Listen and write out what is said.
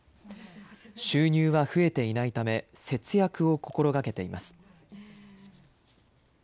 収入は増えていないため、節約を心がけています。